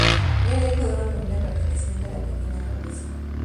Era hijo de una familia perteneciente a la pequeña nobleza.